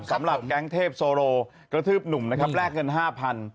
สำหรับแก๊งเทพโซโรกระทืบหนุ่มนะครับแลกเงิน๕๐๐